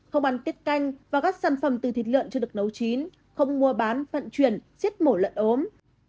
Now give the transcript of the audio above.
không ăn tiết canh và các sản phẩm từ thịt lợn chưa được nấu chín không mua bán vận chuyển giết mổ lợn ốm